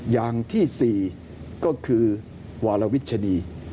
อย่างที่สี่ก็คือวารวิชชณี